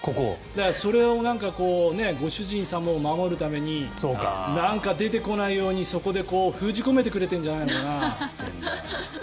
それを、ご主人様を守るためになんか出てこないようにそこで封じ込めてくれてるんじゃないのかな。